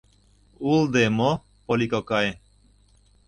— Улде мо, Полли кокай.